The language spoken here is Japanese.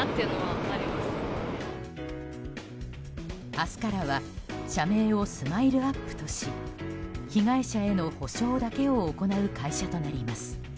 明日からは社名をＳＭＩＬＥ‐ＵＰ．とし被害者への補償だけを行う会社となります。